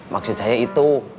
maksud saya itu